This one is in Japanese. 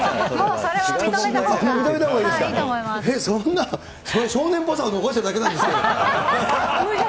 そんな、少年っぽさを残してるだけなんですけど。